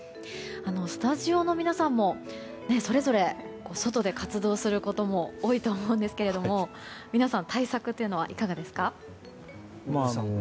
スタジオの皆さんもそれぞれ外で活動することも多いと思うんですけれども皆さん、対策というのはいかがですか。